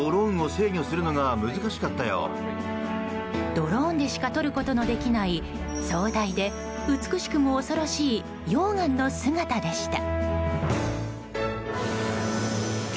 ドローンでしか撮ることのできない壮大で美しくも恐ろしい溶岩の姿でした。